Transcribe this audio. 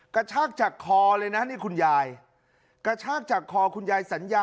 กระชากจากคอเลยนะนี่คุณยายกระชากจากคอคุณยายสัญญา